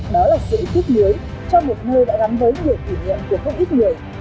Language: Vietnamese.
đó là sự kích lưới cho một nơi đã gắn với nhiều kỷ niệm của không ít người